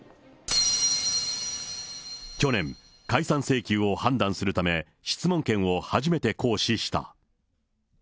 去年、解散請求を判断するため、質問権を初めて行使した。